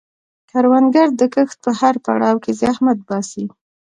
کروندګر د کښت په هر پړاو کې زحمت باسي